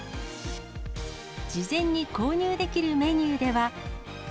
事前に購入できるメニューでは。